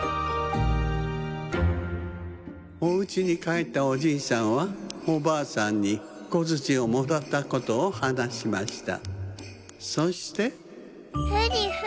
おうちにかえったおじいさんはおばあさんにこづちをもらったことをはなしました。